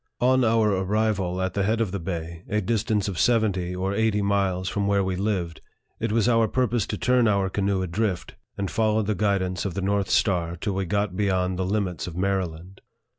On our arrival at the head of the bay, a distance of seventy or eighty miles from where we lived, it was our purpose to turn our canoe adrift, and follow the guidance of the north star till we got beyond the limits of Maryland.